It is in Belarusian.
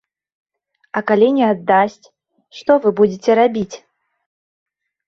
А калі не аддасць, што вы будзеце рабіць?